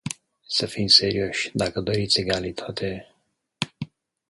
Să fim serioși, dacă doriți egalitate...